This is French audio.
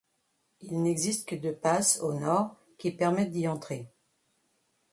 Il n'existe que deux passes, au nord, qui permettent d'y entrer.